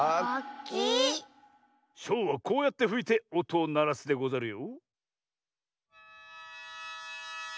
「しょう」はこうやってふいておとをならすでござるよ。